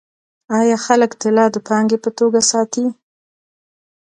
آیا خلک طلا د پانګې په توګه ساتي؟